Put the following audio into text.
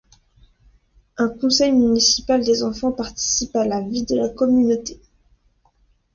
Un conseil municipal des enfants participent à la vie de la communauté.